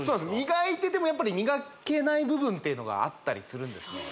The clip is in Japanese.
磨いてても磨けない部分っていうのがあったりするんですよ